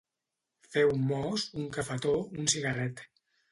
Fer un mos, un cafetó, un cigarret.